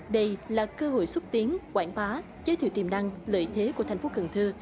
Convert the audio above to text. đây là cơ hội xúc tiến quảng bá giới thiệu tiềm năng lợi thế của thành phố cần thơ